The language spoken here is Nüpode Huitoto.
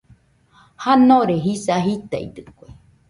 Janore jisa jitaidɨkue.